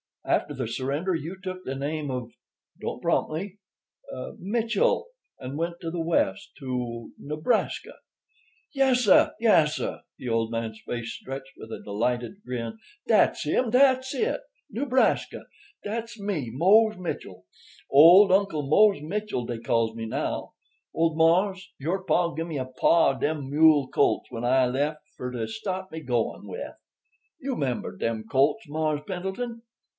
After the surrender, you took the name of—don't prompt me—Mitchell, and went to the West—to Nebraska." "Yassir, yassir,"—the old man's face stretched with a delighted grin—"dat's him, dat's it. Newbraska. Dat's me—Mose Mitchell. Old Uncle Mose Mitchell, dey calls me now. Old mars', your pa, gimme a pah of dem mule colts when I lef' fur to staht me goin' with. You 'member dem colts, Mars' Pendleton?"